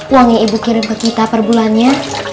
uang yang ibu kirim ke kita per bulannya